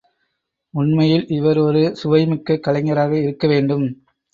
உண்மையில் இவர் ஒரு சுவைமிக்க கலைஞராக இருக்க வேண்டும்.